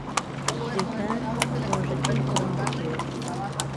کرێکار پرۆژەکەی تەواو کرد.